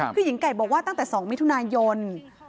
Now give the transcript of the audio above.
คือหญิงไก่บอกว่าตั้งแต่๒มิถุนายน